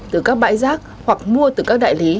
từ các bãi rác hoặc mua từ các đại lý